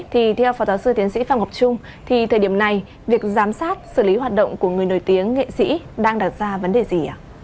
thì theo phó giáo sư tiến sĩ phạm ngọc trung thì thời điểm này việc giám sát xử lý hoạt động của người nổi tiếng nghệ sĩ đang đặt ra vấn đề gì ạ